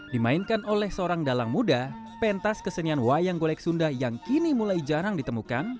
dimainkan oleh seorang dalang muda pentas kesenian wayang golek sunda yang kini mulai jarang ditemukan